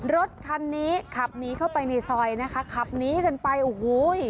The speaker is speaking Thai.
รถคันนี้ขับหนีเข้าไปในซอยนะคะขับหนีกันไปโอ้โห